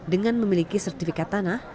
dengan memiliki sertifikat tanah